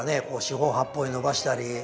四方八方に伸ばしたり。